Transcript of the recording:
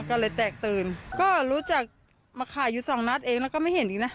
ก็เลยแตกตื่นก็รู้จักมาขายอยู่สองนัดเองแล้วก็ไม่เห็นอีกนะ